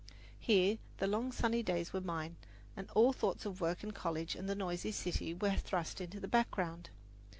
Here the long, sunny days were mine, and all thoughts of work and college and the noisy city were thrust into the background.